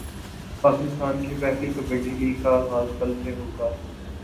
پاکستان کی پہلی کبڈی لیگ کا غاز کل سے ہوگا